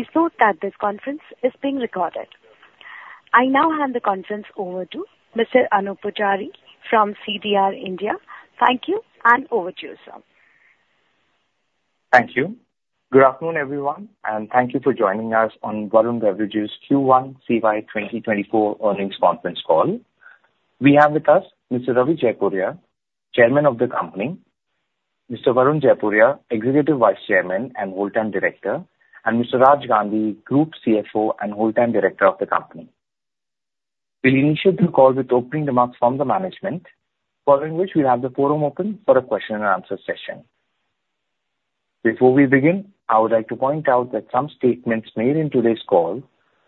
Please note that this conference is being recorded. I now hand the conference over to Mr. Anoop Poojari from CDR India. Thank you, and over to you, sir. Thank you. Good afternoon, everyone, and thank you for joining us on Varun Beverages Q1 CY 2024 earnings conference call. We have with us Mr. Ravi Jaipuria, Chairman of the company, Mr. Varun Jaipuria, Executive Vice Chairman and Whole Time Director, and Mr. Raj Gandhi, Group CFO and Whole Time Director of the company. We'll initiate the call with opening remarks from the management, following which we'll have the forum open for a question and answer session. Before we begin, I would like to point out that some statements made in today's call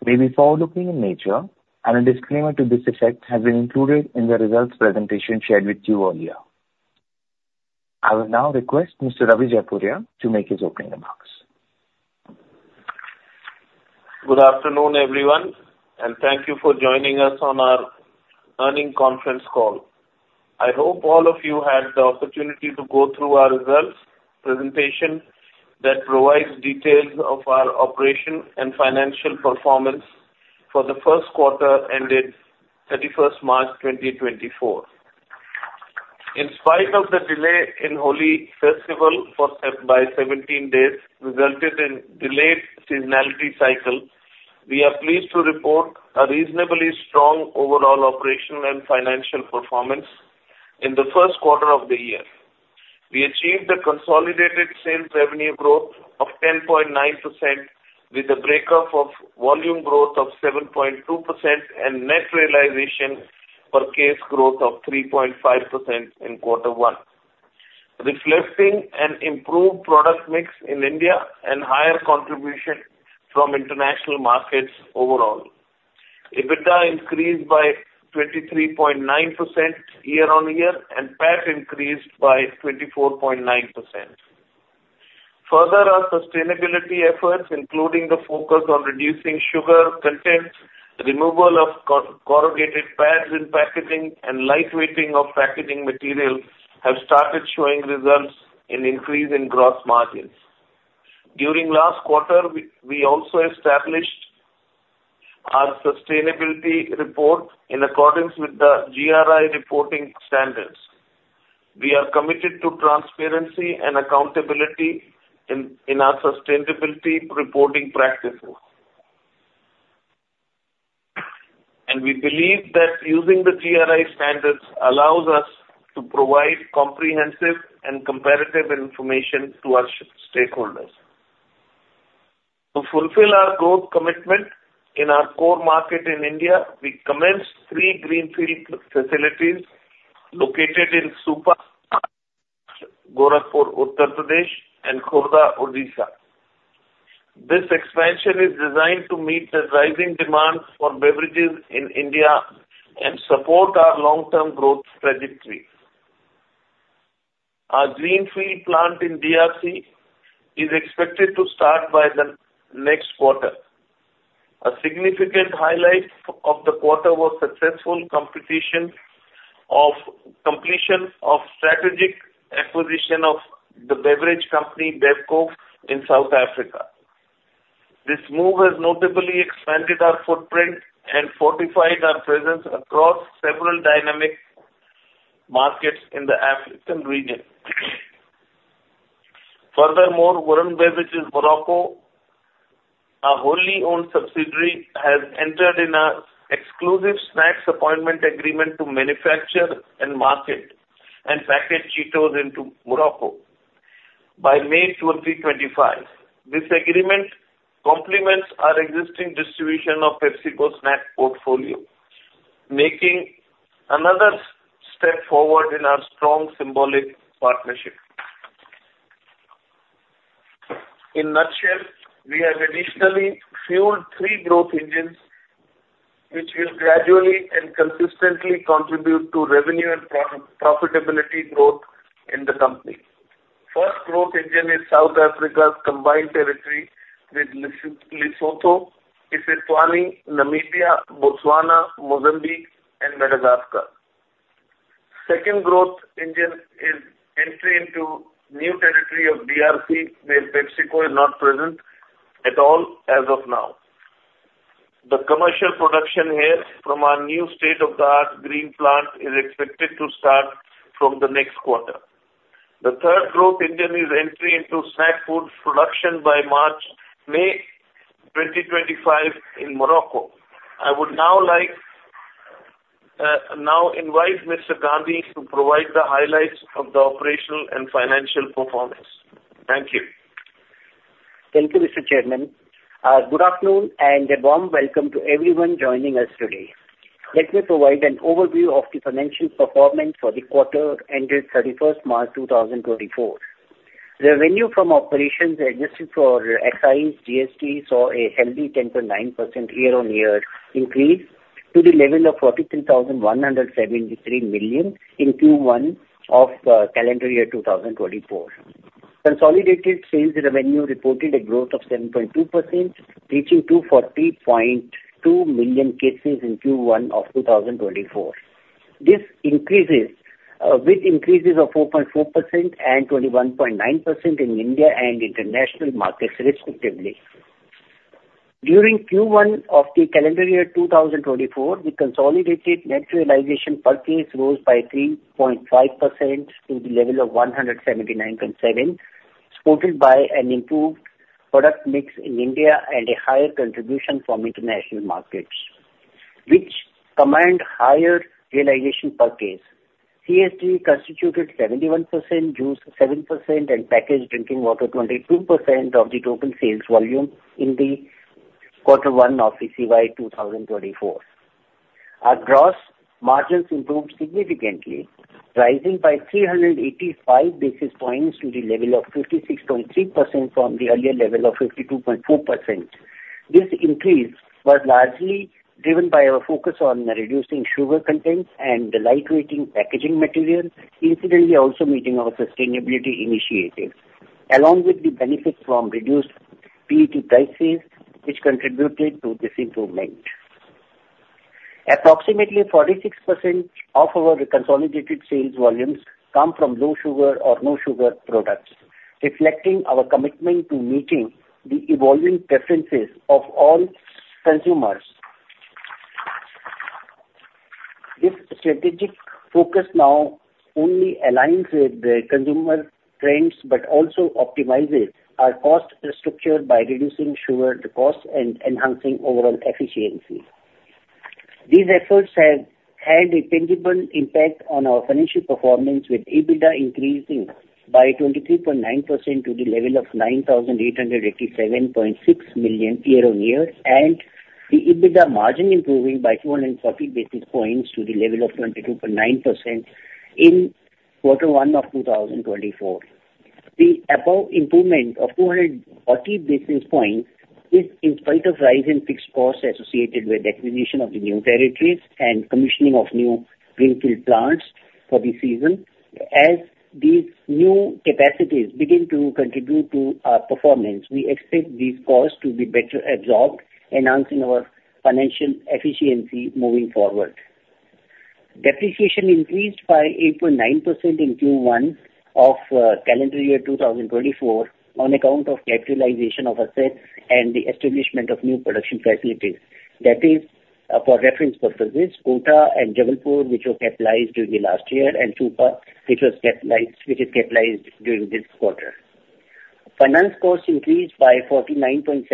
may be forward-looking in nature, and a disclaimer to this effect has been included in the results presentation shared with you earlier. I will now request Mr. Ravi Jaipuria to make his opening remarks. Good afternoon, everyone, and thank you for joining us on our earnings conference call. I hope all of you had the opportunity to go through our results presentation that provides details of our operations and financial performance for the first quarter, ended 31 March 2024. In spite of the delay in Holi festival by 17 days, resulted in delayed seasonality cycle, we are pleased to report a reasonably strong overall operational and financial performance in the first quarter of the year. We achieved a consolidated sales revenue growth of 10.9%, with a breakup of volume growth of 7.2% and net realization per case growth of 3.5% in Q1, reflecting an improved product mix in India and higher contribution from international markets overall. EBITDA increased by 23.9% year-on-year, and PAT increased by 24.9%. Further, our sustainability efforts, including the focus on reducing sugar content, removal of corrugated pads in packaging, and lightweighting of packaging materials, have started showing results in increase in gross margins. During last quarter, we also established our sustainability report in accordance with the GRI reporting standards. We are committed to transparency and accountability in our sustainability reporting practices. We believe that using the GRI standards allows us to provide comprehensive and comparative information to our stakeholders. To fulfill our growth commitment in our core market in India, we commenced three greenfield facilities located in Supa, Gorakhpur, Uttar Pradesh, and Khordha, Odisha. This expansion is designed to meet the rising demand for beverages in India and support our long-term growth trajectory. Our greenfield plant in DRC is expected to start by the next quarter. A significant highlight of the quarter was successful completion of strategic acquisition of the beverage company, BevCo, in South Africa. This move has notably expanded our footprint and fortified our presence across several dynamic markets in the African region. Furthermore, Varun Beverages Morocco, our wholly owned subsidiary, has entered into an exclusive snacks manufacturing agreement to manufacture and market and package Cheetos in Morocco by May 2025. This agreement complements our existing distribution of PepsiCo snack portfolio, making another step forward in our strong, symbolic partnership. In a nutshell, we have additionally fueled three growth engines, which will gradually and consistently contribute to revenue and profitability growth in the company. First growth engine is South Africa's combined territory with Lesotho, Eswatini, Namibia, Botswana, Mozambique and Madagascar. Second growth engine is entry into new territory of DRC, where PepsiCo is not present at all as of now. The commercial production here from our new state-of-the-art greenfield plant is expected to start from the next quarter. The third growth engine is entry into snack foods production by March-May 2025 in Morocco. I would now like now invite Mr. Gandhi to provide the highlights of the operational and financial performance. Thank you. Thank you, Mr. Chairman. Good afternoon, and a warm welcome to everyone joining us today. Let me provide an overview of the financial performance for the quarter ended 31 March 2024. Revenue from operations adjusted for excise, GST, saw a healthy 10.9% year-on-year increase to the level of 43,173 million in Q1 of calendar year 2024. Consolidated sales revenue reported a growth of 7.2%, reaching 240.2 million cases in Q1 of 2024. This increases with increases of 4.4% and 21.9% in India and international markets respectively. During Q1 of the calendar year 2024, the consolidated net realization per case rose by 3.5% to the level of 179.7, supported by an improved product mix in India and a higher contribution from international markets, which command higher realization per case. CSD constituted 71%, juice 7%, and packaged drinking water 22% of the total sales volume in the quarter one of FY 2024. Our gross margins improved significantly, rising by 385 basis points to the level of 56.3% from the earlier level of 52.4%. This increase was largely driven by our focus on reducing sugar content and the light weighting packaging material, incidentally, also meeting our sustainability initiatives, along with the benefits from reduced PET prices, which contributed to this improvement. Approximately 46% of our consolidated sales volumes come from low sugar or no sugar products, reflecting our commitment to meeting the evolving preferences of all consumers. This strategic focus now only aligns with the consumer trends, but also optimizes our cost structure by reducing sugar costs and enhancing overall efficiency. These efforts have had a tangible impact on our financial performance, with EBITDA increasing by 23.9% to the level of 9,887.6 million year-on-year, and the EBITDA margin improving by 240 basis points to the level of 22.9% in quarter one of 2024. The above improvement of 240 basis points is in spite of rise in fixed costs associated with acquisition of the new territories and commissioning of new greenfield plants for the season. As these new capacities begin to contribute to our performance, we expect these costs to be better absorbed, enhancing our financial efficiency moving forward. Depreciation increased by 8.9% in Q1 of calendar year 2024, on account of capitalization of assets and the establishment of new production facilities. That is, for reference purposes, Kota and Jabalpur, which were capitalized during the last year, and Supa, which is capitalized during this quarter. Finance costs increased by 49.7%,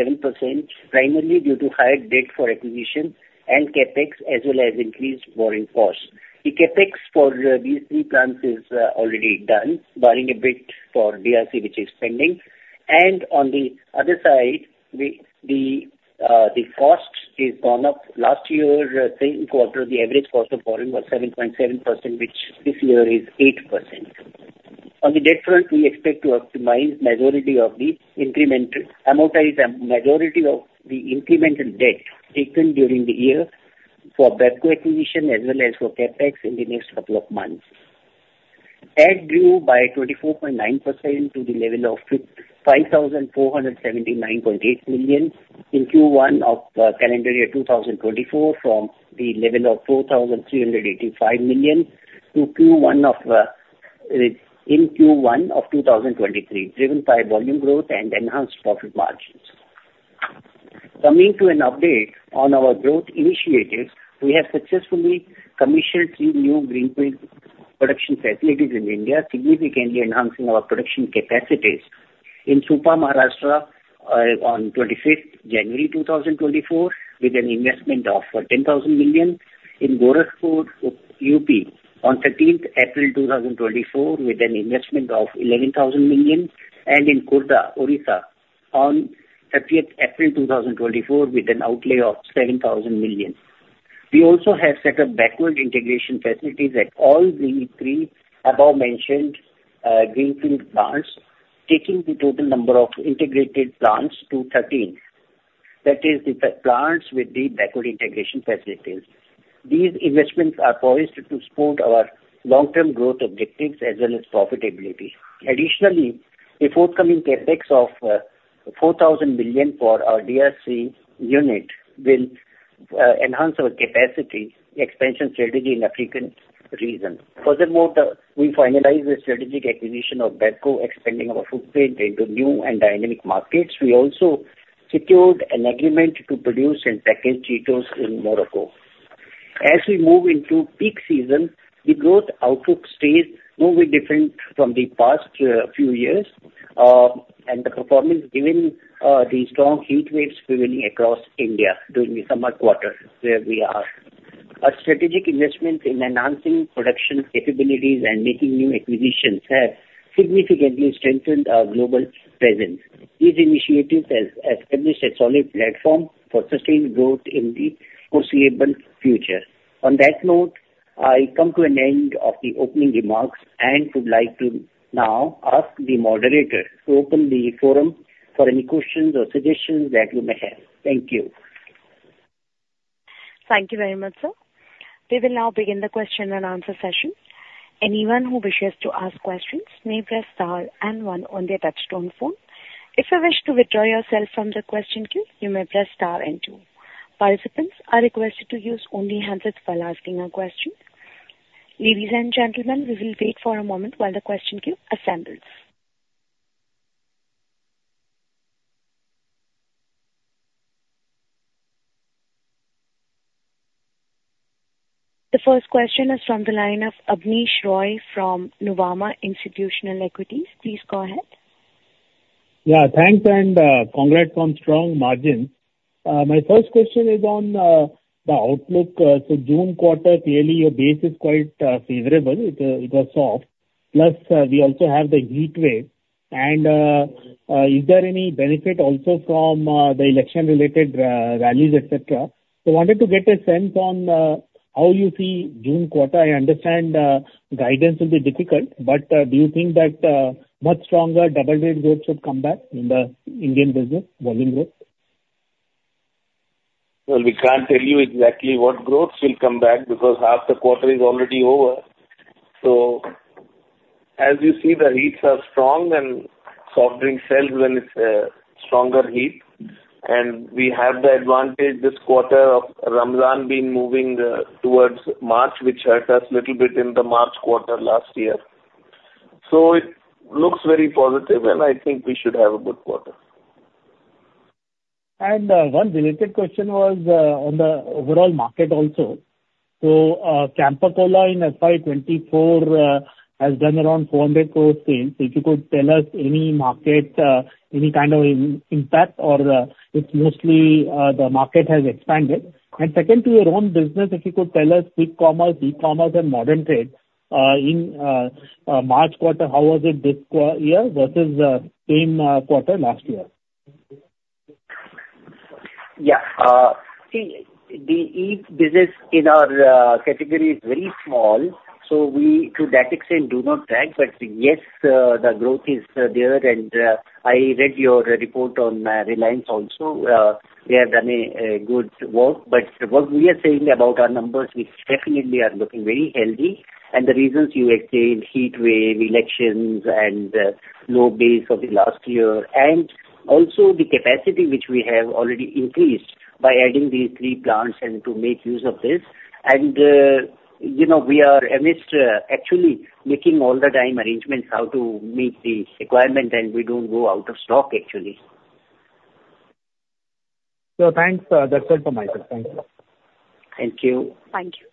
primarily due to higher debt for acquisition and CapEx, as well as increased borrowing costs. The CapEx for these three plants is already done, barring a bit for DRC, which is pending. On the other side, the cost is gone up. Last year, same quarter, the average cost of borrowing was 7.7%, which this year is 8%. On the debt front, we expect to amortize the majority of the incremental debt taken during the year for BevCo acquisition, as well as for CapEx in the next couple of months. Debt grew by 24.9% to the level of 5,479.8 million in Q1 of calendar year 2024, from the level of 4,385 million in Q1 of calendar year 2023, driven by volume growth and enhanced profit margins. Coming to an update on our growth initiatives, we have successfully commissioned three new greenfield production facilities in India, significantly enhancing our production capacities. In Supa, Maharashtra, on 25th January 2024, with an investment of 10,000 million. In Gorakhpur, UP, on 13th April 2024, with an investment of 11,000 million. And in Khordha, Odisha, on 30th April 2024, with an outlay of 7,000 million. We also have set up backward integration facilities at all the three above-mentioned greenfield plants, taking the total number of integrated plants to 13. That is the plants with the backward integration facilities. These investments are poised to support our long-term growth objectives as well as profitability. Additionally, a forthcoming CapEx of 4,000 million for our DRC unit will enhance our capacity expansion strategy in African region. Furthermore, we finalized the strategic acquisition of BevCo, expanding our footprint into new and dynamic markets. We also secured an agreement to produce and package Cheetos in Morocco. As we move into peak season, the growth outlook stays no way different from the past few years, and the performance, given the strong heat waves prevailing across India during the summer quarter, where we are. Our strategic investments in enhancing production capabilities and making new acquisitions have significantly strengthened our global presence. These initiatives have established a solid platform for sustained growth in the foreseeable future. On that note, I come to an end of the opening remarks and would like to now ask the moderator to open the forum for any questions or suggestions that you may have. Thank you. Thank you very much, sir. We will now begin the question and answer session. Anyone who wishes to ask questions may press star and one on their touchtone phone. If you wish to withdraw yourself from the question queue, you may press star and two. Participants are requested to use only handsets while asking a question. Ladies and gentlemen, we will wait for a moment while the question queue assembles. The first question is from the line of Abneesh Roy from Nuvama Institutional Equities. Please go ahead. Yeah, thanks, and congrats on strong margin. My first question is on the outlook. So June quarter, clearly your base is quite favorable. It was soft. Plus, we also have the heat wave, and is there any benefit also from the election-related rallies, etcetera? So I wanted to get a sense on how you see June quarter. I understand guidance will be difficult, but do you think that much stronger double-digit growth should come back in the Indian business, volume growth? Well, we can't tell you exactly what growth will come back because half the quarter is already over. So as you see, the heats are strong and soft drink sells when it's stronger heat. And we have the advantage this quarter of Ramadan being moving towards March, which hurt us little bit in the March quarter last year. So it looks very positive, and I think we should have a good quarter. One related question was on the overall market also. So, Campa Cola in FY 2024 has done around 400 crore sales. So if you could tell us any market, any kind of impact or, it's mostly the market has expanded. And second, to your own business, if you could tell us quick commerce, e-commerce and modern trade in March quarter, how was it this year versus same quarter last year? Yeah, see, the each business in our category is very small, so we, to that extent, do not track. But yes, the growth is there, and I read your report on Reliance also, we have done a good work. But what we are saying about our numbers, we definitely are looking very healthy, and the reasons you explained, heat wave, elections and low base of the last year, and also the capacity which we have already increased by adding these three plants and to make use of this. And you know, we are amidst actually making all the time arrangements how to meet the requirement, and we don't go out of stock, actually. Thanks. That's all from my side. Thank you. Thank you. Thank you.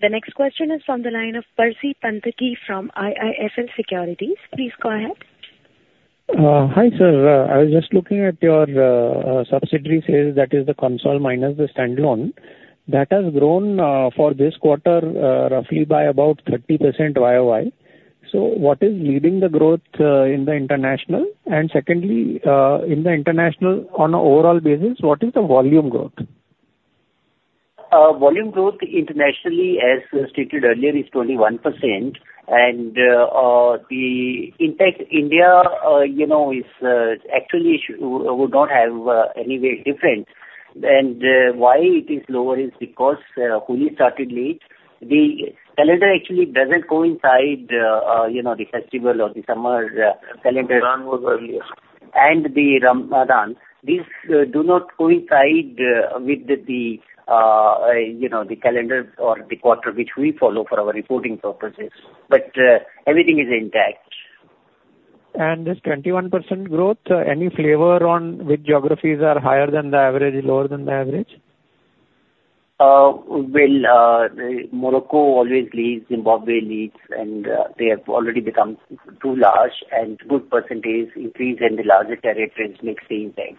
The next question is from the line of Percy Panthaki from IIFL Securities. Please go ahead. Hi, sir. I was just looking at your subsidiary sales, that is the consolidated minus the standalone. That has grown for this quarter roughly by about 30% year-over-year. So what is leading the growth in the international? And secondly, in the international, on a overall basis, what is the volume growth? Volume growth internationally, as stated earlier, is 21%. The impact in India, you know, is actually would not have any way different. Why it is lower is because Holi started late. The calendar actually doesn't coincide, you know, the festival or the summer calendar- Ramadan was earlier. The Ramadan. These do not coincide with the, you know, the calendar or the quarter which we follow for our reporting purposes. Everything is intact. This 21% growth, any flavor on which geographies are higher than the average, lower than the average? Morocco always leads, Zimbabwe leads, and they have already become too large, and good percentage increase in the larger territories make same time.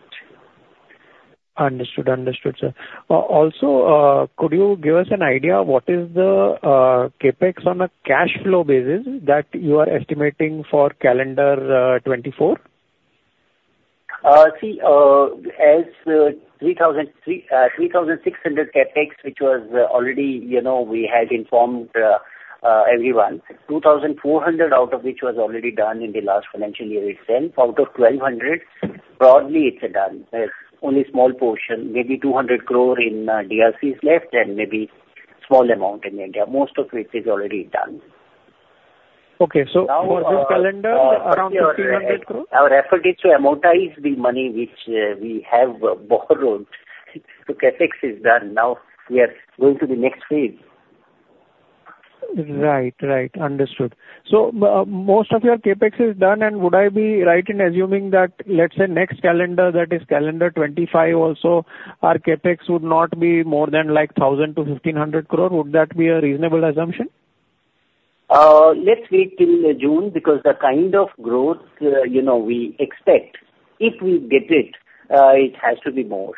Understood. Understood, sir. Also, could you give us an idea what is the CapEx on a cash flow basis that you are estimating for calendar 2024? See, as 3,600 CapEx, which was already, you know, we had informed everyone, 2,400 out of which was already done in the last financial year itself. Out of 1,200, broadly it's done. There's only a small portion, maybe 200 crore in DRC is left and maybe small amount in India, most of which is already done. Okay, so- Now, uh- For this calendar, around 300 crore? Our effort is to amortize the money which we have borrowed. The CapEx is done. Now we are going to the next phase. Right. Right. Understood. So, most of your CapEx is done, and would I be right in assuming that, let's say, next calendar, that is calendar 2025 also, our CapEx would not be more than like 1,000-1,500 crore? Would that be a reasonable assumption? Let's wait till June, because the kind of growth, you know, we expect, if we get it, it has to be more.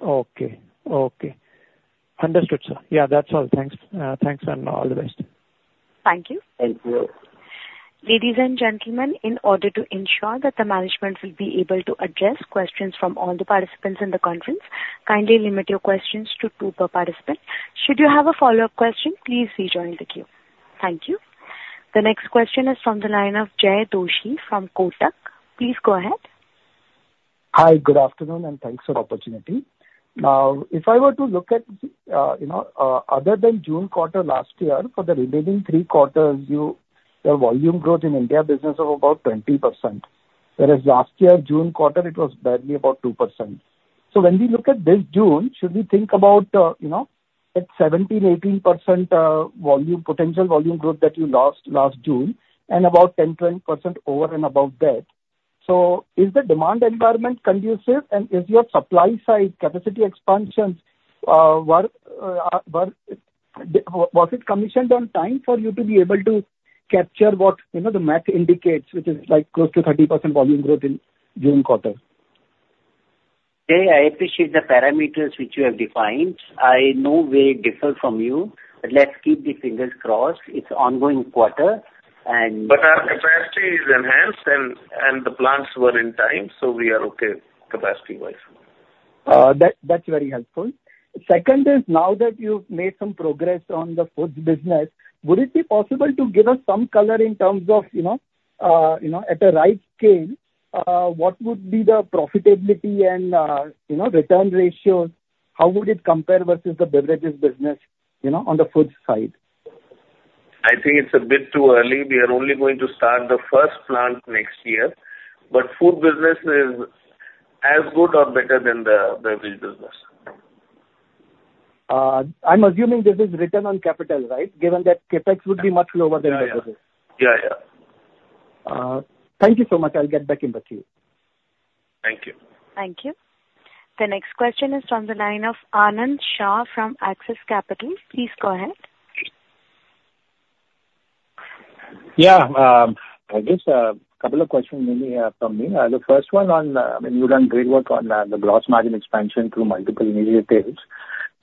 Okay. Okay. Understood, sir. Yeah, that's all. Thanks, thanks and all the best. Thank you. Thank you. Ladies and gentlemen, in order to ensure that the management will be able to address questions from all the participants in the conference, kindly limit your questions to two per participant. Should you have a follow-up question, please rejoin the queue. Thank you. The next question is from the line of Jay Doshi from Kotak. Please go ahead. Hi, good afternoon, and thanks for the opportunity. Now, if I were to look at, you know, other than June quarter last year, for the remaining three quarters, your volume growth in India business of about 20%, whereas last year, June quarter, it was barely about 2%. So when we look at this June, should we think about, you know, at 17%-18% volume potential volume growth that you lost last June and about 10%-20% over and above that? So is the demand environment conducive, and is your supply side capacity expansions were commissioned on time for you to be able to capture what, you know, the math indicates, which is, like, close to 30% volume growth in June quarter? Hey, I appreciate the parameters which you have defined. I in no way differ from you, but let's keep the fingers crossed. It's ongoing quarter, and. Our capacity is enhanced, and the plants were in time, so we are okay capacity-wise. That's very helpful. Second is, now that you've made some progress on the foods business, would it be possible to give us some color in terms of, you know, you know, at the right scale, what would be the profitability and, you know, return ratios? How would it compare versus the beverages business, you know, on the foods side? I think it's a bit too early. We are only going to start the first plant next year, but food business is as good or better than the beverage business. I'm assuming this is return on capital, right? Given that CapEx would be much lower than the business. Yeah, yeah. Thank you so much. I'll get back in touch with you. Thank you. Thank you. The next question is from the line of Anand Shah from Axis Capital. Please go ahead. Yeah, I guess, couple of questions mainly from me. The first one on, I mean, you've done great work on the gross margin expansion through multiple initiatives.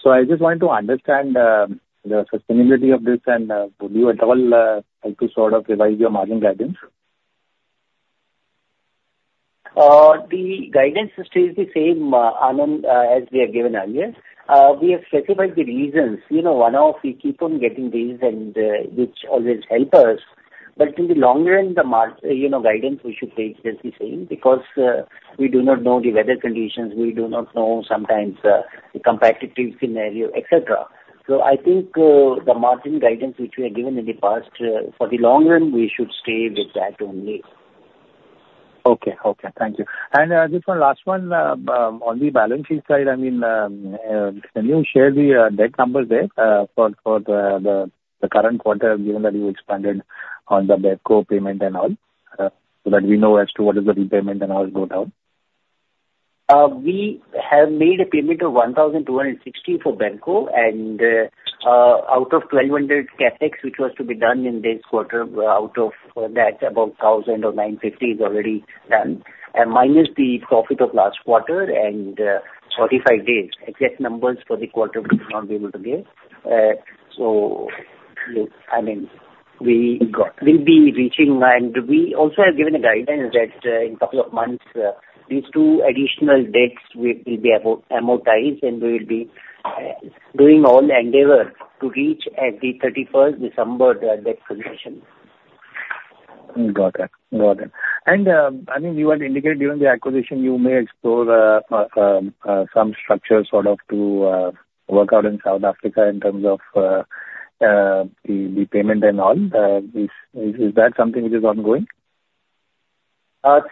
So I just wanted to understand the sustainability of this, and would you at all help to sort of revise your margin guidance? The guidance stays the same, Anand, as we have given earlier. We have specified the reasons. You know, one-off, we keep on getting these and, which always help us. But in the long run, the margin, you know, guidance we should take just the same, because, we do not know the weather conditions, we do not know sometimes, the competitive scenario, et cetera. So I think, the margin guidance which we have given in the past, for the long run, we should stay with that only. Okay. Okay, thank you. Just one last one, on the balance sheet side, I mean, can you share the debt numbers there, for the current quarter, given that you expanded on the BevCo payment and all, so that we know as to what is the repayment and all go down? We have made a payment of 1,260 for BevCo, and out of 1,200 CapEx, which was to be done in this quarter, out of that, about 1,000 or 950 is already done, and minus the profit of last quarter and 45 days. Exact numbers for the quarter, we will not be able to give. So, look, I mean, we- Got it. We'll be reaching, and we also have given a guidance that, in a couple of months, these two additional debts will be amortized, and we will be doing all the endeavor to reach at the thirty-first December debt position. Got it. Got it. And, I mean, you had indicated during the acquisition you may explore some structure sort of to work out in South Africa in terms of the payment and all. Is that something which is ongoing?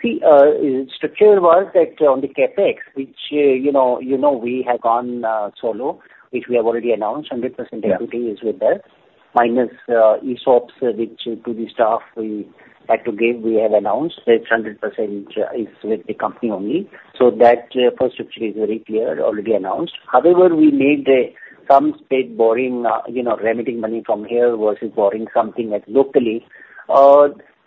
See, structure was that on the CapEx, which, you know, you know, we have gone solo, which we have already announced. Yeah. 100% equity is with us, -ESOPs, which to the staff we had to give, we have announced that 100%, is with the company only. So that, first structure is very clear, already announced. However, we made, some state borrowing, you know, remitting money from here versus borrowing something at locally,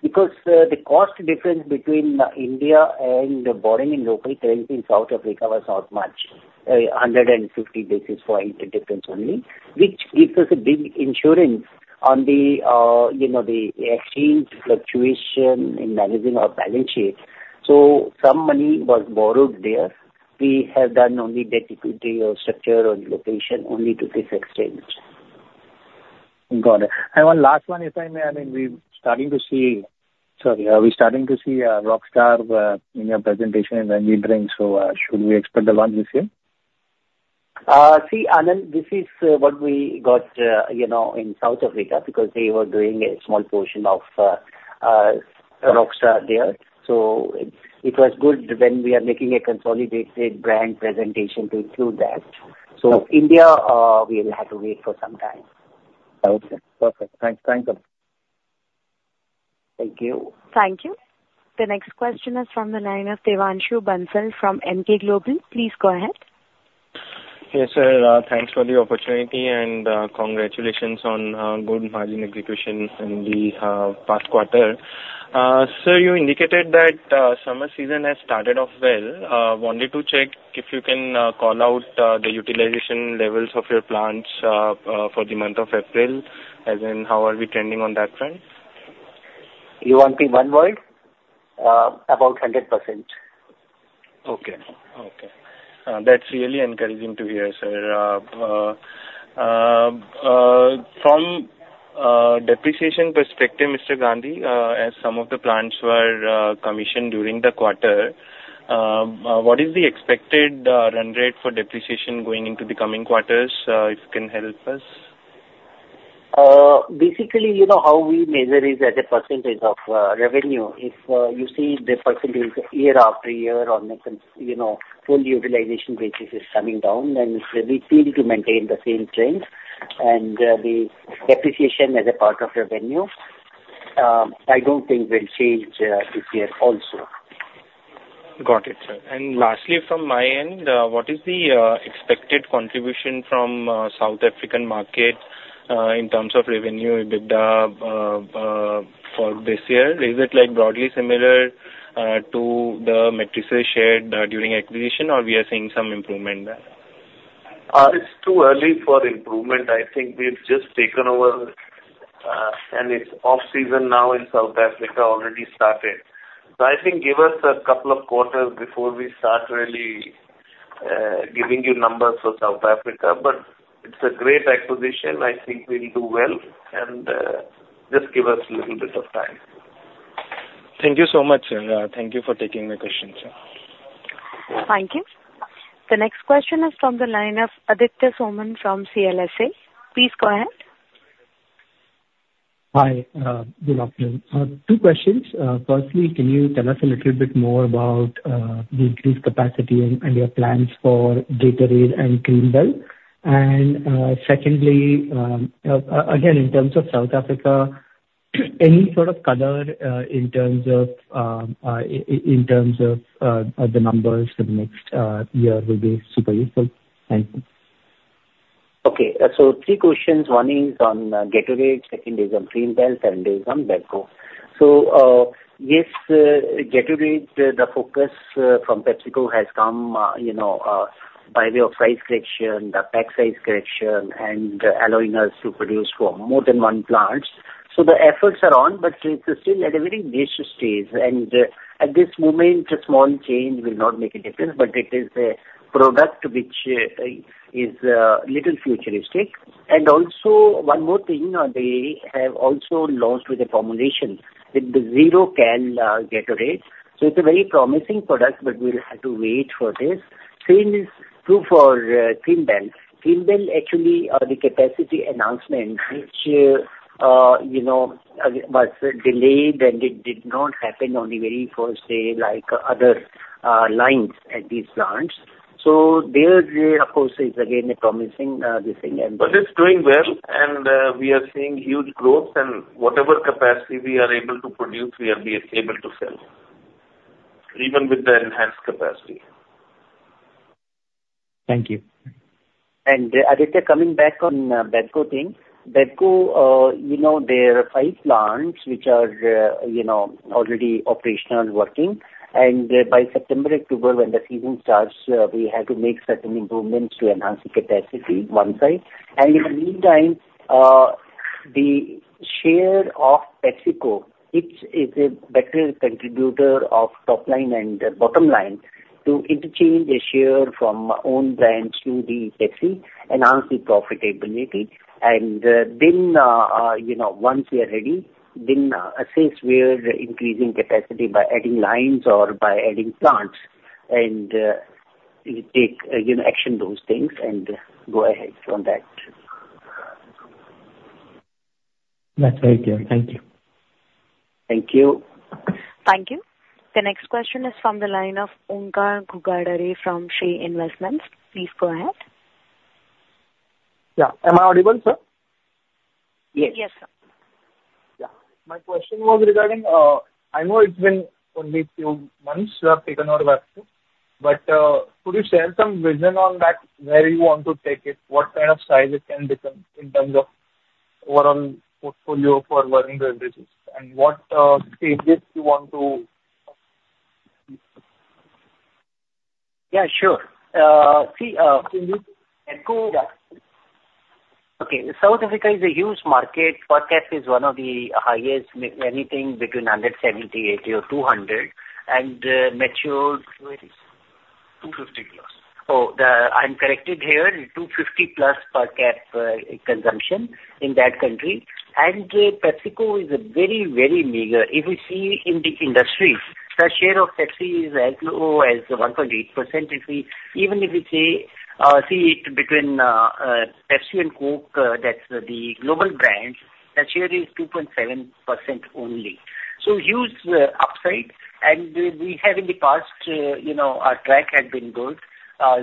because, the cost difference between, India and borrowing in local currency in South Africa was not much, 150 basis point difference only, which gives us a big insurance on the, you know, the exchange fluctuation in managing our balance sheet. So some money was borrowed there. We have done only debt equity or structure or location only to this exchange. Got it. And one last one, if I may. I mean, we're starting to see. Sorry, are we starting to see Rockstar in your presentation in the drinks, so should we expect the launch this year? See, Anand, this is what we got, you know, in South Africa, because they were doing a small portion of Yeah. Rockstar there. So it was good when we are making a consolidated brand presentation to include that. Okay. India, we'll have to wait for some time. Okay, perfect. Thanks. Thank you. Thank you. Thank you. The next question is from the line of Devanshu Bansal from Emkay Global. Please go ahead. Yes, sir, thanks for the opportunity, and, congratulations on, good margin execution in the, past quarter. Sir, you indicated that, summer season has started off well. Wanted to check if you can, call out, the utilization levels of your plants, for the month of April, as in, how are we trending on that front? You want me one word? About 100%. Okay. Okay, that's really encouraging to hear, sir. Depreciation perspective, Mr. Gandhi, as some of the plants were commissioned during the quarter, what is the expected run rate for depreciation going into the coming quarters? If you can help us. Basically, you know, how we measure is as a percentage of revenue. If you see the percentage year after year on the, you know, full utilization basis is coming down, then we seem to maintain the same trend. The depreciation as a part of revenue, I don't think will change this year also. Got it, sir. And lastly, from my end, what is the expected contribution from South African market, in terms of revenue, EBITDA, for this year? Is it like broadly similar to the metrics shared during acquisition, or we are seeing some improvement there? It's too early for improvement. I think we've just taken over, and it's off-season now in South Africa, already started. So I think give us a couple of quarters before we start really giving you numbers for South Africa, but it's a great acquisition. I think we'll do well, and just give us a little bit of time. Thank you so much, sir. Thank you for taking my question, sir. Thank you. The next question is from the line of Aditya Soman from CLSA. Please go ahead. Hi, good afternoon. Two questions. Firstly, can you tell us a little bit more about the increased capacity and your plans for Gatorade and Creambell? And, secondly, again, in terms of South Africa, any sort of color in terms of the numbers for the next year will be super useful. Thank you. Okay. So three questions. One is on Gatorade, second is on Creambell, and third is on BevCo. So, yes, Gatorade, the focus from PepsiCo has come, you know, by way of price correction, the pack size correction, and allowing us to produce from more than one plants. So the efforts are on, but it's still at a very initial stage. And, at this moment, a small change will not make a difference, but it is a product which is little futuristic. And also one more thing, they have also launched with a formulation, with the zero cal Gatorade. So it's a very promising product, but we'll have to wait for this. Same is true for Creambell. Creambell, actually, the capacity announcement which, you know, was delayed, and it did not happen on the very first day, like other lines at these plants. So there, of course, is again, a promising, this thing and. But it's doing well, and we are seeing huge growth, and whatever capacity we are able to produce, we are able to sell, even with the enhanced capacity. Thank you. Aditya, coming back on the BevCo thing. BevCo, you know, there are five plants which are, you know, already operational and working, and by September, October, when the season starts, we had to make certain improvements to enhance the capacity, one side. In the meantime, the share of PepsiCo, it's a better contributor of top line and bottom line to interchange the share from our own brands to the Pepsi, enhance the profitability. Then, you know, once we are ready, then, assess where increasing capacity by adding lines or by adding plants and, take, you know, action those things and go ahead on that. That's very clear. Thank you. Thank you. Thank you. The next question is from the line of Omkar Ghugare from Shree Investments. Please go ahead. Yeah. Am I audible, sir? Yes. Yes, sir. Yeah. My question was regarding, I know it's been only few months you have taken over BevCo, but, could you share some vision on that, where you want to take it? What kind of size it can become in terms of overall portfolio for Varun Beverages and what stages you want to... Yeah, sure. See, in BevCo. Yeah. Okay. South Africa is a huge market. Per capita is one of the highest, anything between 170-180 or 200, and, matured- 250+. Oh, I'm corrected here, 250+ per capita consumption in that country. And PepsiCo is very, very meager. If you see in the industry, the share of Pepsi is as low as 1.8%. If we, even if we say, see it between, Pepsi and Coke, that's the global brands, the share is 2.7% only. So huge upside, and we, we have in the past, you know, our track had been good.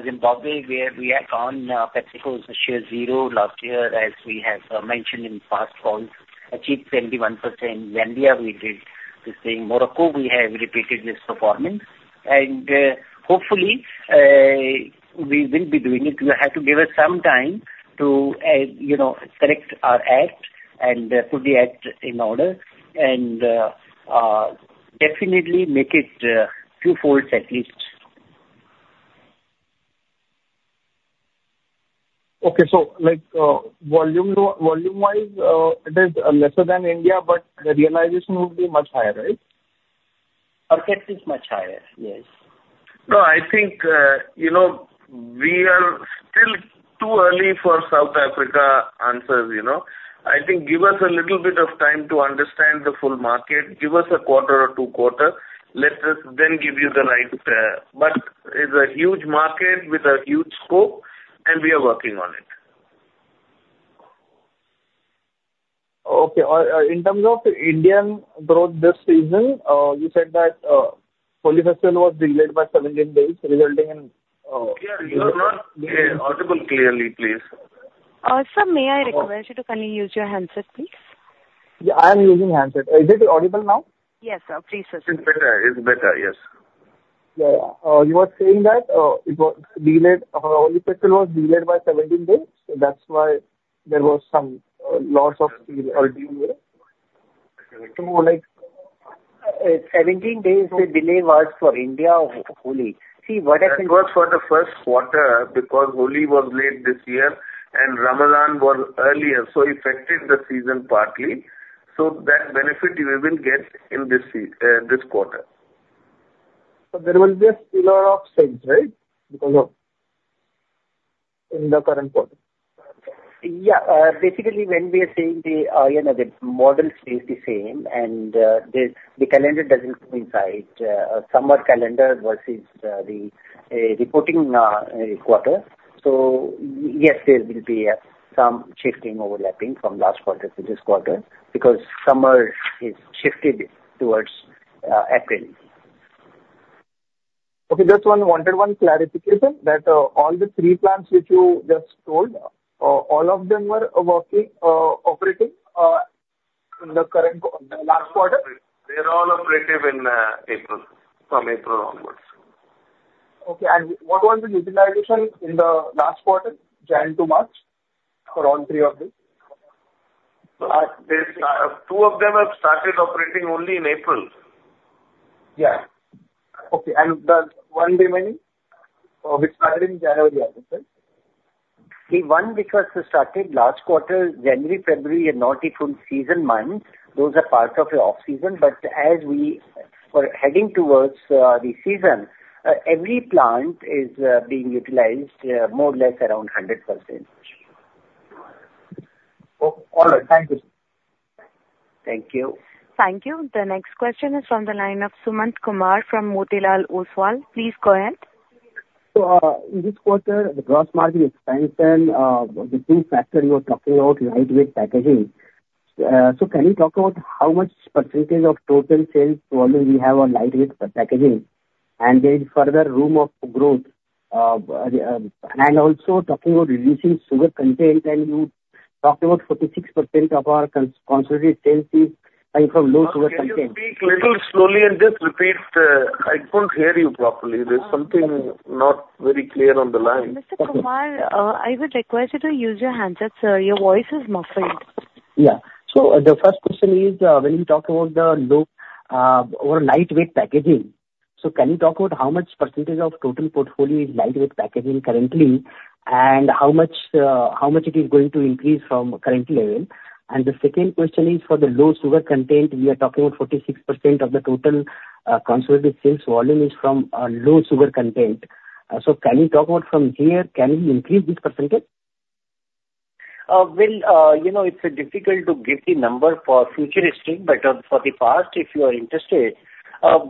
Zimbabwe, where we acted on, PepsiCo's share to zero last year, as we have mentioned in past calls, achieved 71%. Zambia, we did the same. Morocco, we have repeated this performance. And, hopefully, we will be doing it. You have to give us some time to, you know, correct our act and put the act in order, and definitely make it twofold at least. Okay. So, like, volume, volume-wise, it is lesser than India, but the realization would be much higher, right? Our inaudible is much higher, yes. No, I think, you know, we are still too early for South Africa answers, you know? I think give us a little bit of time to understand the full market. Give us a quarter or two quarter, let us then give you the right, but it's a huge market with a huge scope, and we are working on it. Okay. In terms of Indian growth this season, you said that Holi festival was delayed by 17 days, resulting in- Yeah, you are not audible clearly, please. Sir, may I request you to kindly use your handset, please? Yeah, I am using handset. Is it audible now? Yes, sir. Please proceed. It's better. It's better, yes. Yeah. You were saying that it was delayed, Holi festival was delayed by 17 days, so that's why there was some loss of sales. So like, 17 days the delay was for India Holi. See, what I think- That was for the first quarter, because Holi was late this year and Ramadan was earlier, so affected the season partly. So that benefit we will get in this quarter. There will be a lot of sales, right? Because of in the current quarter. Yeah, basically, when we are saying the, you know, the model stays the same, and the calendar doesn't coincide, summer calendar versus the reporting quarter. So yes, there will be some shifting, overlapping from last quarter to this quarter, because summer is shifted towards April. Okay, just one—wanted one clarification, that all the three plants which you just told, all of them were working, operating, in the last quarter? They're all operative in April, from April onwards. Okay, and what was the utilization in the last quarter, January to March, for all three of them? There's two of them have started operating only in April. Yeah. Okay, and the one remaining, which started in January, I think, right? The one which was started last quarter, January, February, are not the full season months. Those are part of the off-season, but as we are heading towards the season, every plant is being utilized more or less around 100%. All right. Thank you. Thank you. Thank you. The next question is from the line of Sumant Kumar from Motilal Oswal. Please go ahead. So, in this quarter, the gross margin expansion, the two factors you were talking about, lightweight packaging. So can you talk about how much percentage of total sales volume you have on lightweight packaging, and there is further room of growth? And also talking about reducing sugar content, and you talked about 46% of our consolidated sales is coming from low sugar content. Sir, can you speak little slowly and just repeat? I couldn't hear you properly. There's something not very clear on the line. Mr. Kumar, I would request you to use your handset, sir. Your voice is muffled. Yeah. So the first question is, when you talk about the low, or lightweight packaging, so can you talk about how much percentage of total portfolio is lightweight packaging currently, and how much, how much it is going to increase from current level? And the second question is for the low sugar content, we are talking about 46% of the total, consolidated sales volume is from, low sugar content. So can you talk about from here, can we increase this percentage? Well, you know, it's difficult to give the number for futuristic, but, for the past, if you are interested,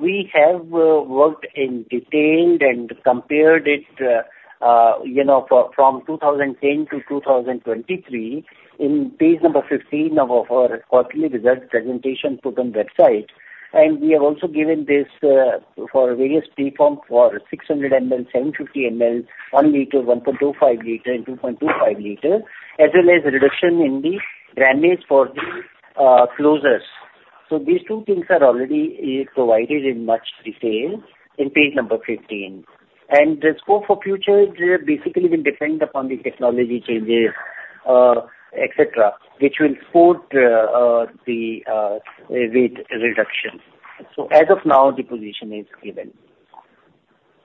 we have worked in detailed and compared it, you know, from, from 2010 to 2023, in page number 15 of our quarterly results presentation put on website. And we have also given this, for various preform for 600 ml, 750 ml, 1 liter, 1.25 liter and 2.25 liter, as well as reduction in the grammage for the, closures. So these two things are already is provided in much detail in page number 15. And the scope for future, basically will depend upon the technology changes, et cetera, which will support, the, weight reduction. So as of now, the position is given.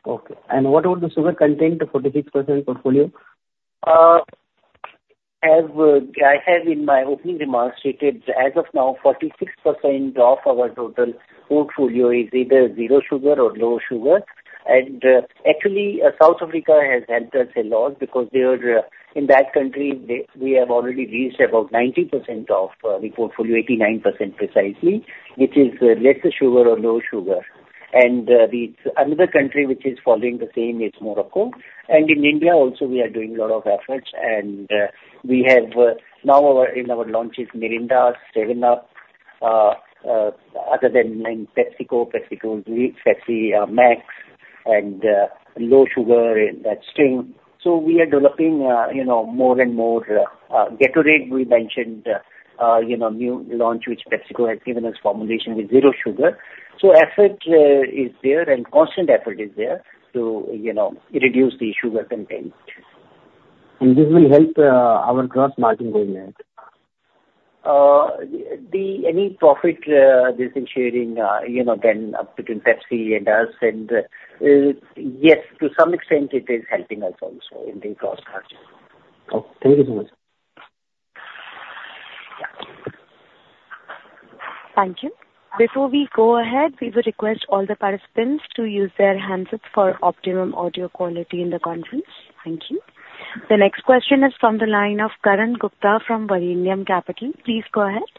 Okay. What about the sugar content, the 46% portfolio? As I have in my opening remarks stated, as of now, 46% of our total portfolio is either zero sugar or low sugar. And actually, South Africa has helped us a lot because they are in that country, they, we have already reached about 90% of the portfolio, 89% precisely, which is less sugar or no sugar. And the another country which is following the same is Morocco. And in India also we are doing a lot of efforts and we have now our, in our launches, Mirinda, 7UP, other than in PepsiCo, PepsiCo's Pepsi Max, and low sugar in that stream. So we are developing, you know, more and more, Gatorade, we mentioned, you know, new launch which PepsiCo has given us formulation with zero sugar. Effort is there, and constant effort is there to, you know, reduce the sugar content. And this will help our gross margin going ahead? Any profit they're sharing, you know, then between Pepsi and us, and yes, to some extent it is helping us also in the gross margin. Okay, thank you so much. Thank you. Before we go ahead, we will request all the participants to use their handsets for optimum audio quality in the conference. Thank you. The next question is from the line of Karan Gupta from Weave Capital. Please go ahead.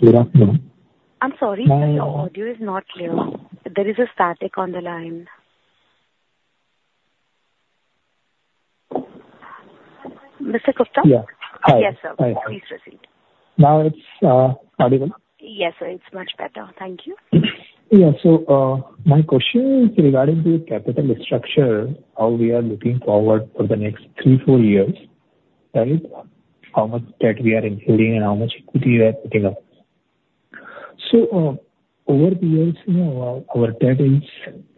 Good afternoon. I'm sorry, your audio is not clear. There is a static on the line. Mr. Gupta? Yeah. Hi. Yes, sir. Please proceed. Now it's audible? Yes, sir, it's much better. Thank you. Yeah. So, my question is regarding the capital structure, how we are looking forward for the next 3-4 years, right? How much debt we are including and how much equity we are putting up. So, over the years, you know, our, our debt is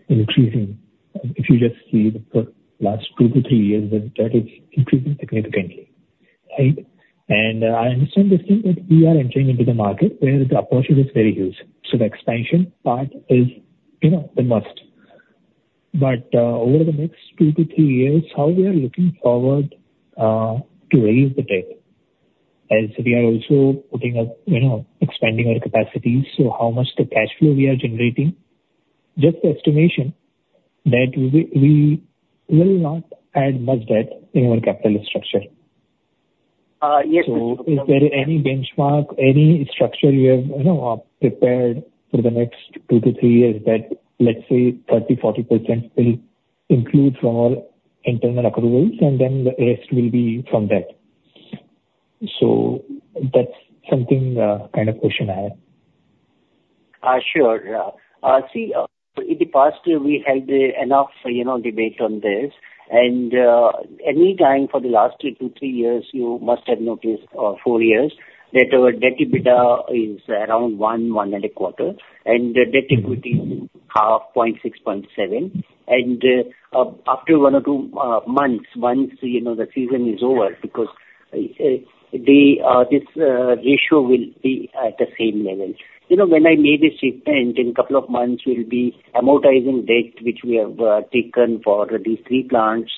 increasing. If you just see the last 2-3 years, the debt is increasing significantly, right? And I understand the thing that we are entering into the market, where the opportunity is very huge, so the expansion part is, you know, a must. But, over the next 2-3 years, how we are looking forward to raise the debt, as we are also putting up, you know, expanding our capacities, so how much the cash flow we are generating? Just estimation that we, we will not add much debt in our capital structure. Uh, yes. Is there any benchmark, any structure you have, you know, prepared for the next 2-3 years that, let's say, 30%, 40% will include from all internal approvals, and then the rest will be from debt? That's something, kind of question I have. Sure. See, in the past year, we had enough, you know, debate on this. And, any time for the last 2-3 years, you must have noticed, 4 years, that our debt EBITDA is around 1-1.25, and the debt equity is 0.5, 0.6, 0.7. And, after 1 or 2 months, once, you know, the season is over, because, the, this, ratio will be at the same level. You know, when I made this statement, in couple of months we'll be amortizing debt, which we have taken for these three plants,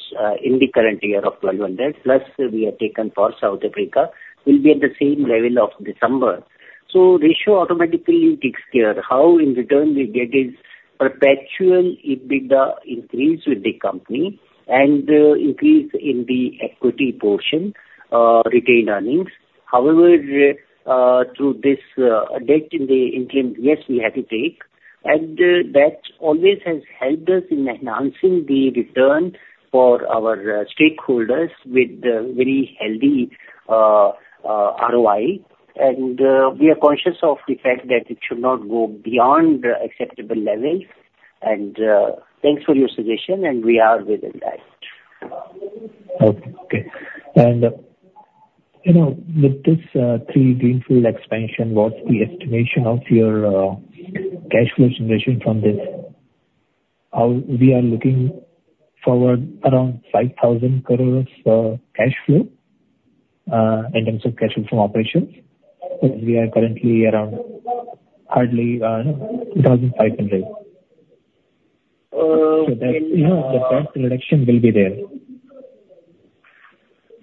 in the current year of 1,200+ we have taken for South Africa, will be at the same level of December. So ratio automatically takes care. How in return we get is perpetual EBITDA increase with the company and, increase in the equity portion, retained earnings. However, through this, debt in the interim, yes, we have to take, and, that always has helped us in enhancing the return for our, stakeholders with, very healthy, ROI. And, we are conscious of the fact that it should not go beyond acceptable levels. And, thanks for your suggestion, and we are within that. Okay. And, you know, with this 3 greenfield expansion, what's the estimation of your cash flow generation from this? We are looking forward around 5,000 crore cash flow in terms of cash flow from operations, because we are currently around hardly 2,500 crore. Well, So that, you know, the cost reduction will be there.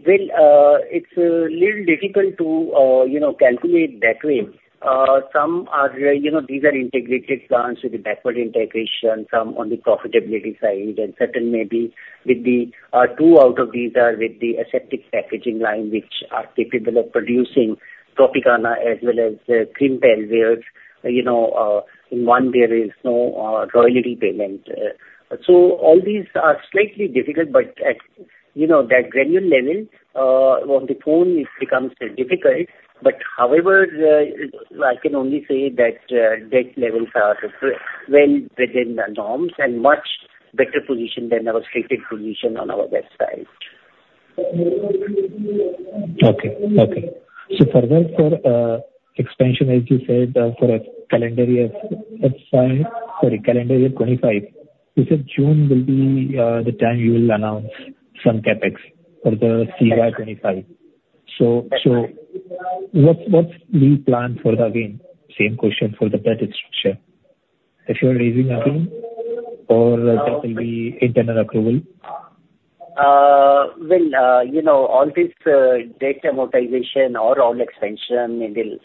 Well, it's a little difficult to, you know, calculate that way. Some are, you know, these are integrated plants, so the backward integration, some on the profitability side, and certain maybe with the, two out of these are with the aseptic packaging line, which are capable of producing Tropicana as well as, Creambell. You know, in one there is no, royalty payment. So all these are slightly difficult, but at, you know, that granular level, on the phone, it becomes difficult. But however, I can only say that, debt levels are, well within the norms and much better position than our stated position on our website. Okay. Okay. So further for expansion, as you said, for calendar year 2025, sorry, calendar year 2025, you said June will be the time you will announce some CapEx for the CY 2025. So what's the plan for that again? Same question for the debt structure. If you are raising again or that will be internal approval? Well, you know, all this debt amortization or all expansion in the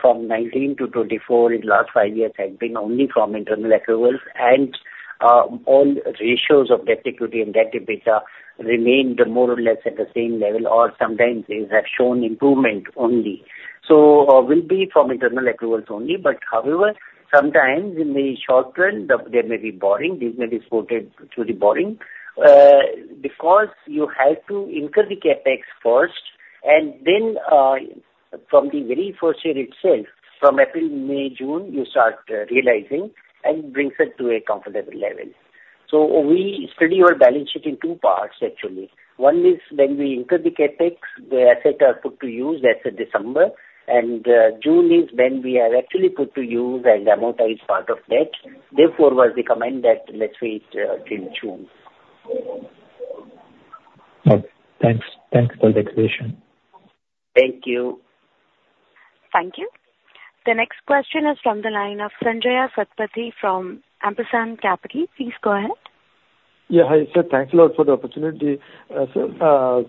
from 2019 to 2024, in last five years, had been only from internal approvals. All ratios of debt to equity and debt to EBITDA remained more or less at the same level, or sometimes these have shown improvement only. Will be from internal approvals only, but however, sometimes in the short term, there may be borrowing. These may be quoted through the borrowing because you have to incur the CapEx first, and then from the very first year itself, from April, May, June, you start realizing and brings it to a comfortable level. We study our balance sheet in two parts, actually. One is when we incur the CapEx, the assets are put to use, that's December. June is when we are actually put to use and amortize part of debt. Therefore, we recommend that let's wait till June. Okay. Thanks. Thanks for the explanation. Thank you. Thank you. The next question is from the line of Sanjaya Satpathy from Ampersand Capital. Please go ahead. Yeah, hi, sir. Thanks a lot for the opportunity. So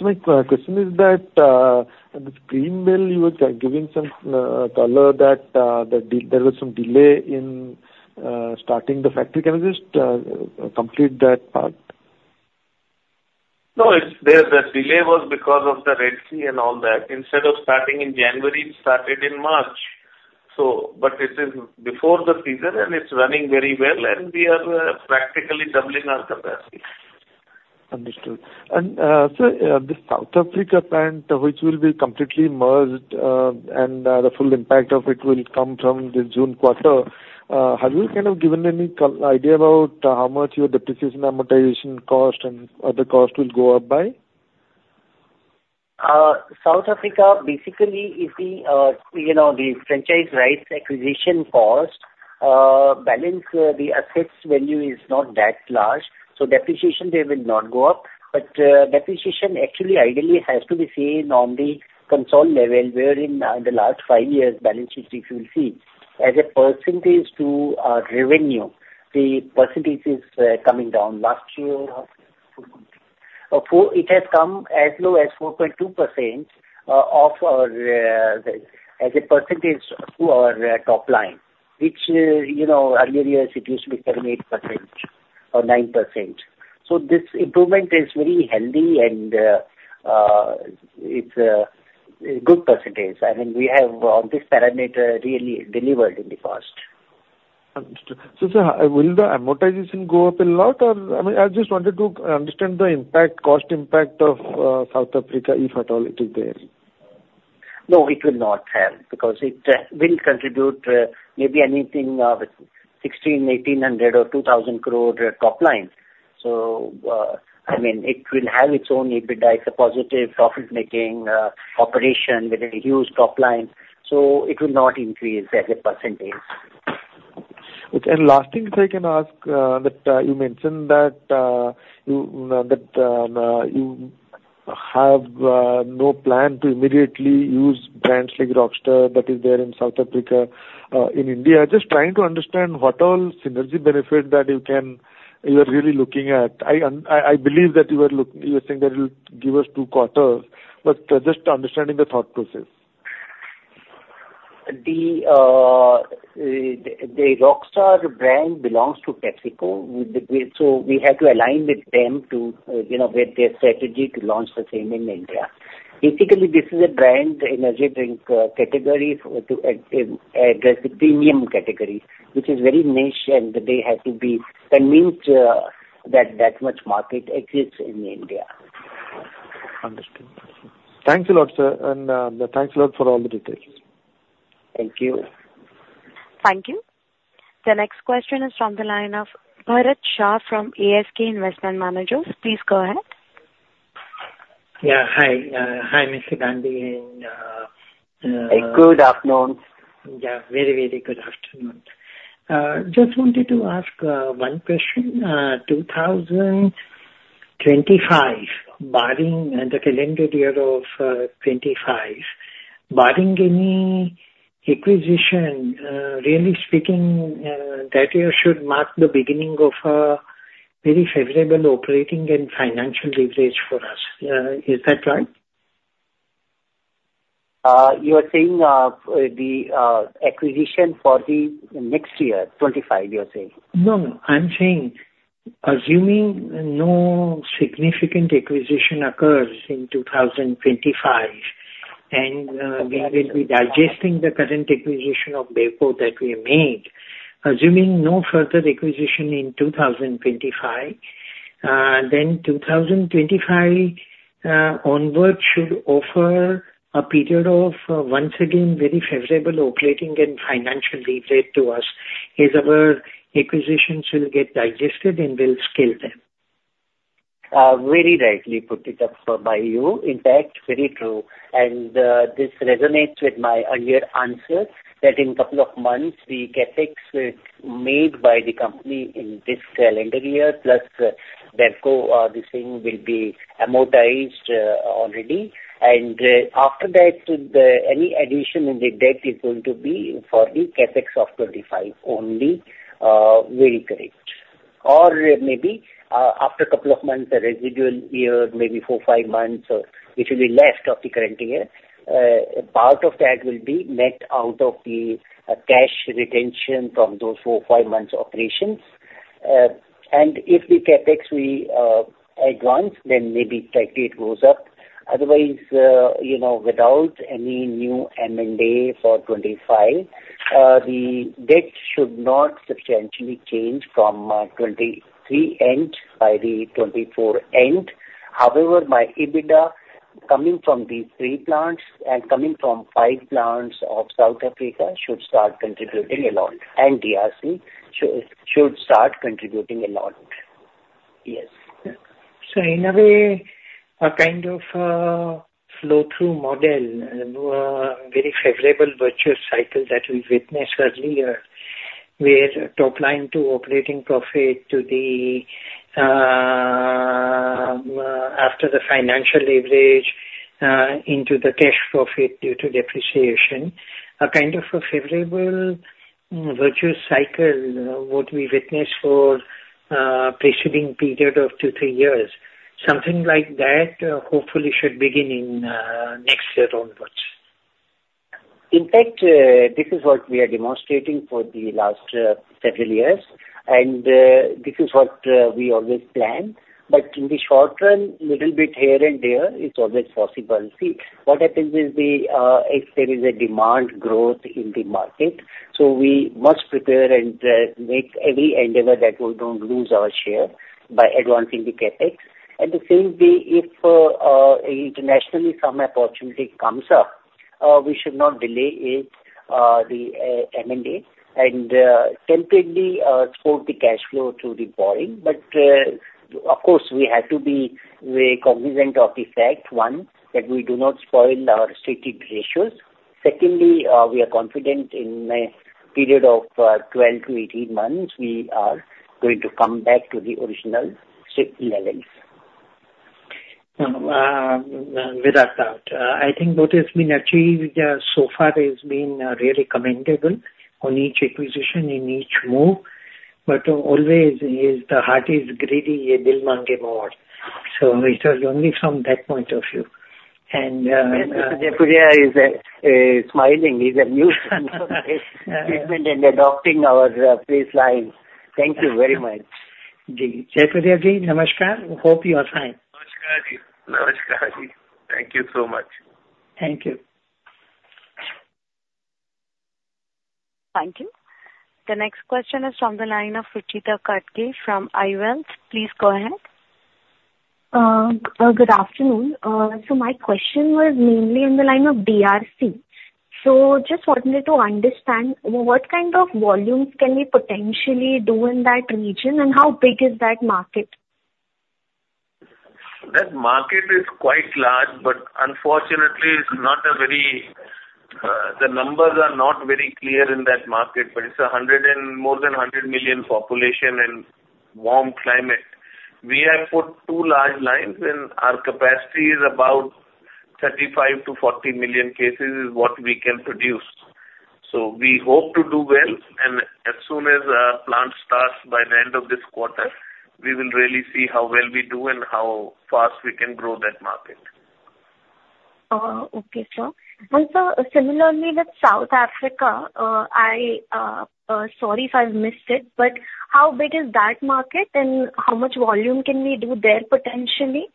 my question is that the greenfield, you were giving some color that there was some delay in starting the factory. Can you just complete that part? No, it's there. The delay was because of the Red Sea and all that. Instead of starting in January, it started in March, so but it is before the season, and it's running very well, and we are practically doubling our capacity. Understood. So, the South Africa plant, which will be completely merged, and the full impact of it will come from the June quarter, have you kind of given any idea about how much your depreciation, amortization cost and other costs will go up by? South Africa basically is the, you know, the franchise rights acquisition cost, the balance, the assets value is not that large, so depreciation there will not go up. But, depreciation actually ideally has to be same on the consolidated level, wherein, the last five years balance sheet you will see. As a percentage to our revenue, the percentage is coming down. Last year, it has come as low as 4.2%, of our, as a percentage to our top line, which, you know, earlier years it used to be 7, 8% or 9%. So this improvement is very healthy and, it's a good percentage. I mean, we have on this parameter really delivered in the past. Understood. So, sir, will the amortization go up a lot? Or, I mean, I just wanted to understand the impact, cost impact of South Africa, if at all it is there? No, it will not have, because it will contribute maybe anything 1,600 crore to 1,800 crore or 2,000 crore top line. So, I mean, it will have its own EBITDA. It's a positive profit-making operation with a huge top line, so it will not increase as a percentage. Okay. And last thing, if I can ask, that you mentioned that you have no plan to immediately use brands like Rockstar that is there in South Africa in India. Just trying to understand what all synergy benefit that you can... you are really looking at. I believe that you are saying that it'll give us two quarters, but just understanding the thought process. The Rockstar brand belongs to PepsiCo. We so we have to align with them to, you know, with their strategy to launch the same in India. Basically, this is a brand energy drink category to address the premium category, which is very niche, and they have to be convinced that that much market exists in India. Understood. Thank you a lot, sir, and, thanks a lot for all the details. Thank you. Thank you. The next question is from the line of Bharat Shah from ASK Investment Managers. Please go ahead. Yeah, hi. Hi, Mr. Gandhi, and. Good afternoon. Yeah, very, very good afternoon. Just wanted to ask one question. 2025, barring in the calendar year of 2025, barring any acquisition, really speaking, that year should mark the beginning of a very favorable operating and financial leverage for us. Is that right? You are saying the acquisition for the next year, 2025, you're saying? No, no. I'm saying assuming no significant acquisition occurs in 2025, and we will be digesting the current acquisition of BevCo that we made. Assuming no further acquisition in 2025, then 2025 onwards should offer a period of once again very favorable operating and financial leverage to us as our acquisitions will get digested and we'll scale them. Very rightly put it up by you. In fact, very true, and this resonates with my earlier answer, that in couple of months, the CapEx made by the company in this calendar year, plus BevCo, this thing will be amortized already. And after that, any addition in the debt is going to be for the CapEx of 2025 only. Very correct. Or maybe, after a couple of months, the residual year, maybe four, five months, or which will be left of the current year, part of that will be met out of the cash retention from those four, five months operations. And if the CapEx we advance, then maybe slightly it goes up. Otherwise, you know, without any new M&A for 2025, the debt should not substantially change from 2023 end by the 2024 end. However, my EBITDA coming from these three plants and coming from five plants of South Africa should start contributing a lot, and DRC should start contributing a lot. Yes. So in a way, a kind of flow-through model, very favorable virtuous cycle that we witnessed earlier, where top line to operating profit to the, after the financial leverage, into the cash profit due to depreciation, a kind of a favorable virtuous cycle, what we witnessed for preceding period of 2-3 years. Something like that, hopefully should begin in next year onwards. In fact, this is what we are demonstrating for the last several years, and this is what we always plan. But in the short run, little bit here and there, it's always possible. See, what happens is, if there is a demand growth in the market, so we must prepare and make every endeavor that we don't lose our share by advancing the CapEx. And the same way, if internationally some opportunity comes up, we should not delay it, the M&A, and temporarily support the cash flow through the borrowing. But of course, we have to be very cognizant of the fact, one, that we do not spoil our strict ratios. Secondly, we are confident in a period of 12-18 months, we are going to come back to the original strict levels. Without doubt. I think what has been achieved so far has been really commendable on each acquisition, in each move. But always is, the heart is greedy. So it is only from that point of view. Jaipuria is smiling. He's a new fan and adopting our baseline. Thank you very much. Jaipuria Ji, namaskar. Hope you are fine. Namaskar, Ji. Namaskar, Ji. Thank you so much. Thank you. Thank you. The next question is from the line of Ruchita Katgi from IIFL Wealth. Please go ahead. Good afternoon. So my question was mainly in the line of DRC. So just wanted to understand, what kind of volumes can we potentially do in that region, and how big is that market? That market is quite large, but unfortunately, it's not a very... the numbers are not very clear in that market, but it's more than 100 million population and warm climate. We have put two large lines, and our capacity is about 35 million-40 million cases is what we can produce. So we hope to do well, and as soon as our plant starts by the end of this quarter, we will really see how well we do and how fast we can grow that market. Okay, sure. And sir, similarly with South Africa, sorry if I've missed it, but how big is that market, and how much volume can we do there potentially?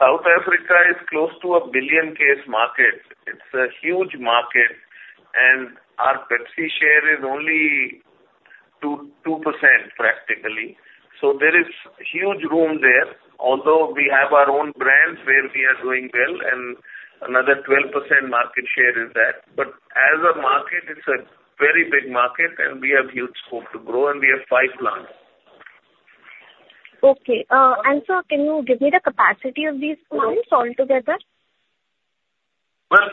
South Africa is close to a 1 billion case market. It's a huge market, and our Pepsi share is only 2.2%, practically. So there is huge room there. Although we have our own brands, where we are doing well, and another 12% market share is that. But as a market, it's a very big market, and we have huge scope to grow, and we have 5 plants. Okay. Sir, can you give me the capacity of these plants all together? Well,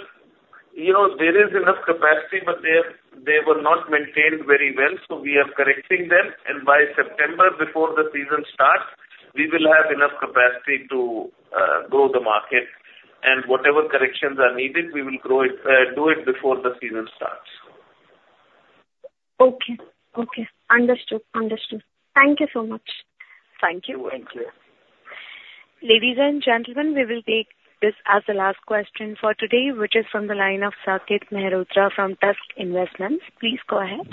you know, there is enough capacity, but they, they were not maintained very well, so we are correcting them, and by September, before the season starts, we will have enough capacity to grow the market. Whatever corrections are needed, we will grow it, do it before the season starts. Okay. Okay. Understood. Understood. Thank you so much. Thank you. Thank you. Ladies and gentlemen, we will take this as the last question for today, which is from the line of Saket Mehrotra from Tusk Investments. Please go ahead.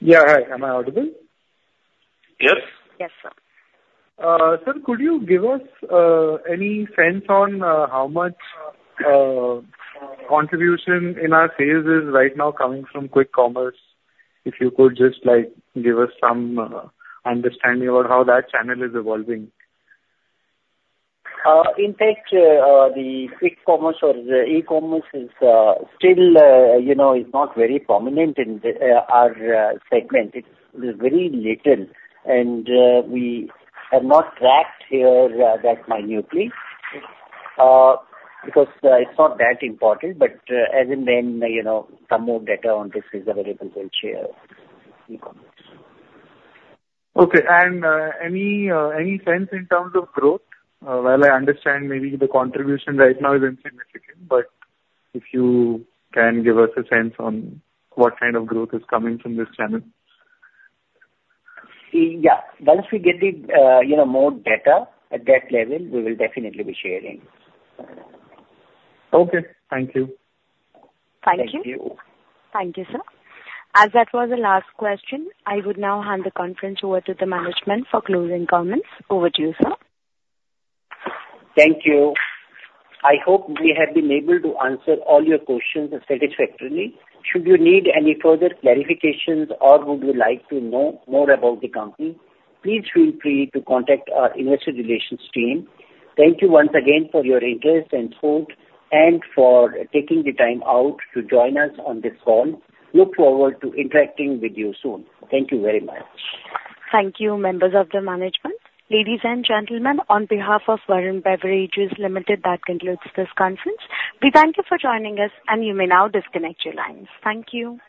Yeah, hi. Am I audible? Yes. Yes, sir. Sir, could you give us any sense on how much contribution in our sales is right now coming from quick commerce? If you could just, like, give us some understanding about how that channel is evolving. In fact, the quick commerce or the e-commerce is still, you know, not very prominent in our segment. It's very little, and we have not tracked here that minutely because it's not that important. But as and when, you know, some more data on this is available, we'll share e-commerce. Okay. Any sense in terms of growth? While I understand maybe the contribution right now is insignificant, but if you can give us a sense on what kind of growth is coming from this channel? Yeah. Once we get the, you know, more data at that level, we will definitely be sharing. Okay, thank you. Thank you. Thank you. Thank you, sir. As that was the last question, I would now hand the conference over to the management for closing comments. Over to you, sir. Thank you. I hope we have been able to answer all your questions satisfactorily. Should you need any further clarifications or would you like to know more about the company, please feel free to contact our investor relations team. Thank you once again for your interest and support, and for taking the time out to join us on this call. Look forward to interacting with you soon. Thank you very much. Thank you, members of the management. Ladies and gentlemen, on behalf of Varun Beverages Limited, that concludes this conference. We thank you for joining us, and you may now disconnect your lines. Thank you.